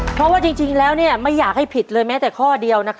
เพราะว่าจริงแล้วไม่อยากให้ผิดเลยแม้แต่ข้อเดียว